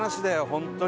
ホントに。